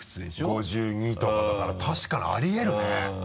５２とかだから確かにありえるね。